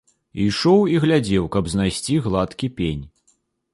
Ішоў і глядзеў, каб знайсці гладкі пень.